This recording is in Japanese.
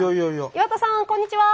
岩田さんこんにちは。